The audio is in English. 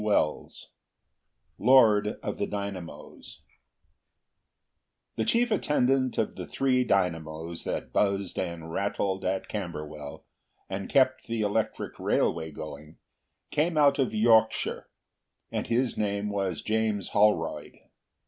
THE LORD OF THE DYNAMOS The chief attendant of the three dynamos that buzzed and rattled at Camberwell, and kept the electric railway going, came out of Yorkshire, and his name was James Holroyd.